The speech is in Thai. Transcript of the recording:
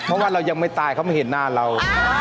เพราะว่าเรายังไม่ตายเขาไม่เห็นหน้าเรา